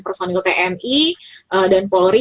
personil tni dan polri